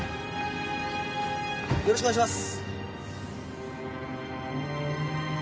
よろしくお願いします。